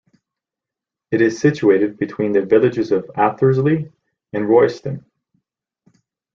It is situated between the villages of Athersley and Royston.